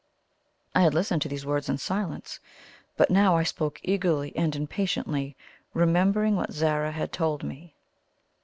I had listened to these words in silence; but now I spoke eagerly and impatiently, remembering what Zara had told me.